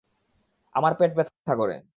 আমার পেট ব্যথা করে।